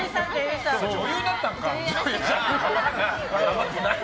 女優になったんか。